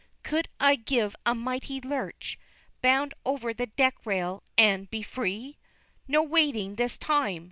could I give a mighty lurch, bound over the deck rail, and be free? No waiting this time!